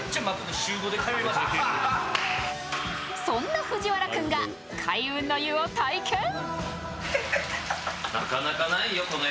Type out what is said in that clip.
そんな藤原君が開運の湯を体験。